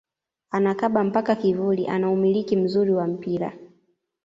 Anakaba mpaka kivuli ana umiliki mzuri wa mpira